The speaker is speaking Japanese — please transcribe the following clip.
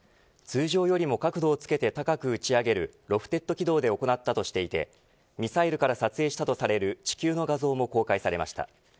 通常よりも角度をつけて高く打ち上げるロフテッド軌道で行ったとしていてミサイルから撮影したとされる地球の画像も公開しました。